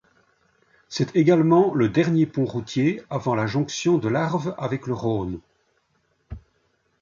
C'est également le dernier pont routier avant la jonction de l'Arve avec le Rhône.